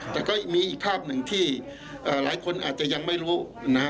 แต่ก็มีอีกภาพหนึ่งที่หลายคนอาจจะยังไม่รู้นะฮะ